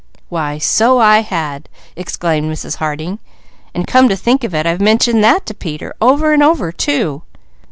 "Why so I had!" exclaimed Mrs. Harding. "And come to think of it, I've mentioned that to Peter, over and over, too.